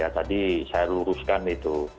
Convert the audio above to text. tadi saya luruskan itu